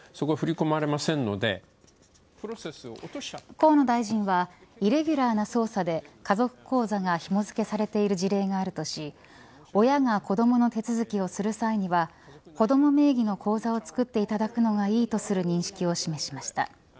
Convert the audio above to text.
河野大臣はイレギュラーな操作で家族口座がひも付けされている事例があるとし親が子どもの手続きをする際には子ども名義の口座を作っていただくのがいいとする認識を示しました。